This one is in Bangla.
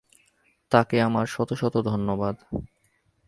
তাকে আমার শত শত ধন্যবাদ।